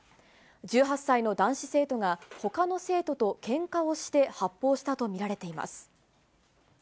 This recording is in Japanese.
１８歳の男子生徒が、ほかの生徒とけんかをして発砲したと見られています。